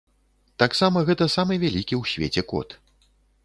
Таксама гэта самы вялікі ў свеце кот.